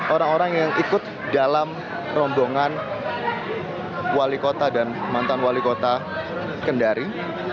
orang orang yang ikut dalam rombongan wali kota dan mantan wali kota kendari